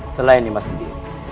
selain imah sendiri